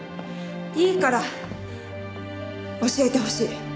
いいから教えてほしい。